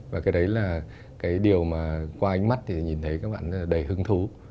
và cái đấy là cái điều mà qua ánh mắt thì nhìn thấy các bạn đầy hứng thú